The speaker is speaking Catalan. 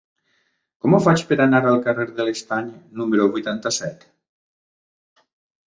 Com ho faig per anar al carrer de l'Estany número vuitanta-set?